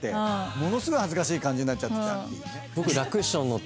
ものすごい恥ずかしい感じになっちゃってたっていうね。